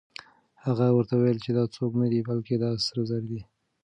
هغه ورته وویل چې دا څوک نه دی، بلکې دا سره زر دي.